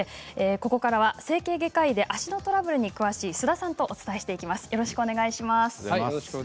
ここからは整形外科医で足のトラブルに詳しい須田さんとよろしくお願いします。